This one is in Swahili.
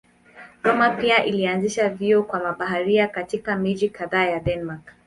Rømer pia alianzisha vyuo kwa mabaharia katika miji kadhaa ya Denmark.